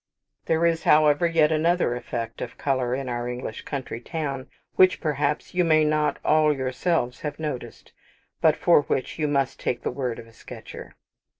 There is, however, yet another effect of colour in our English country towns which, perhaps, you may not all yourselves have noticed, but for which you must take the word of a sketcher.